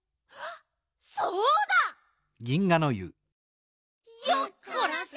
そうだ！よっこらせ！